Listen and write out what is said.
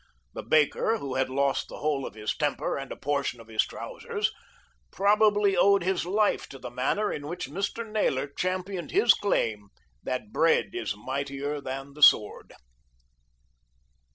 The baker, who had lost the whole of his temper and a portion of his trousers, probably owed his life to the manner in which Mr. Naylor championed his claim that bread is mightier than the sword.